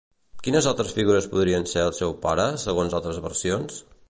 Quines altres figures podrien ser el seu pare, segons altres versions?